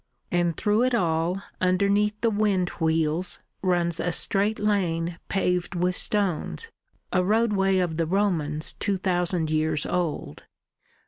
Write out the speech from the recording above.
And through it all underneath the wind wheels runs a straight lane paved with stones, a roadway of the Romans two thousand years old.